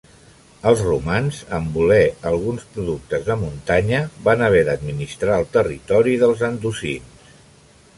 Els romans, en voler alguns productes de muntanya, van haver d'administrar el territori dels andosins.